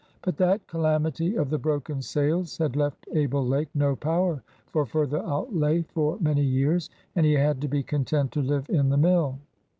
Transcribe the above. But that calamity of the broken sails had left Abel Lake no power for further outlay for many years, and he had to be content to live in the mill.